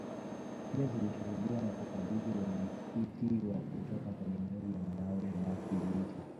pia zilishuhudiwa na kukabidhi uenyekiti wa kutoka kwa jamhuri ya Malawi na kijiti